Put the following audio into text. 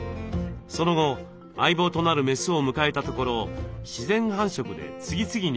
その後相棒となるメスを迎えたところ自然繁殖で次々に子どもが生まれました。